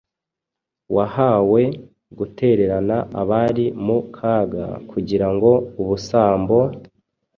wahawe, gutererana abari mu kaga, kugira ubusambo,